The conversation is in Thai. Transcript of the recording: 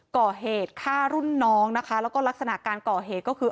ก่อเหตุฆ่ารุ่นน้องนะคะแล้วก็ลักษณะการก่อเหตุก็คือ